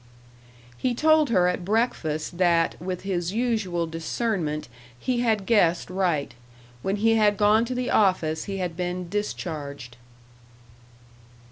He told her at breakfast that, with his usual discernment, he had guessed right. When he had gone to the office he had been discharged.